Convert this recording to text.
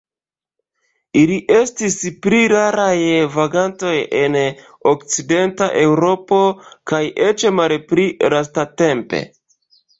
Ili estis pli raraj vagantoj en okcidenta Eŭropo, kaj eĉ malpli lastatempe.